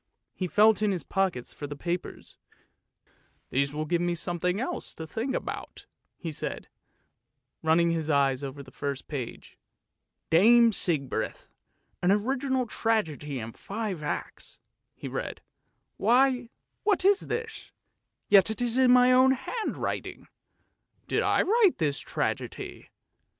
" He felt in his pockets for the papers. " These will give me something else to think about," he said, running his eyes over the first page. "' Dame Sigbrith,' an original tragedy in five acts," he read. " Why, what is this, yet it is in my own handwriting. Did I write this tragedy?